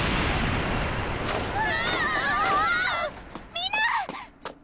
みんな！